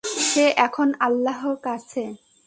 সে এখন আল্লাহ কাছে।